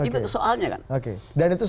itu soalnya kan